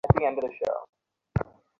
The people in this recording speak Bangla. আমার মাঝে মাঝেই হজমে সমস্যা হয়।